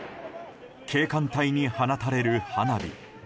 警官隊に放たれる花火。